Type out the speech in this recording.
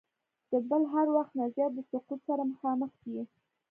د بل هر وخت نه زیات د سقوط سره مخامخ دی.